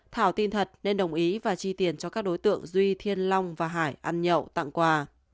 thảo tin thật nên đồng ý và chi tiền cho các đối tượng duy thiên long và hải ăn nhậu tặng quà